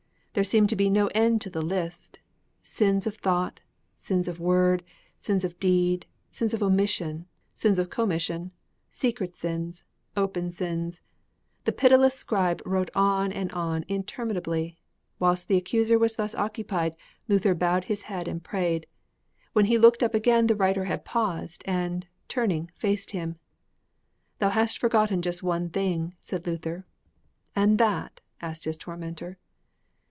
There seemed to be no end to the list sins of thought, sins of word, sins of deed, sins of omission, sins of commission, secret sins, open sins the pitiless scribe wrote on and on interminably. Whilst the accuser was thus occupied, Luther bowed his head and prayed. When he looked up again, the writer had paused, and, turning, faced him. 'Thou hast forgotten just one thing!' said Luther. 'And that ?' asked his tormentor.